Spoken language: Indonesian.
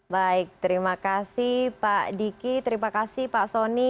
baik terima kasih pak diki terima kasih pak soni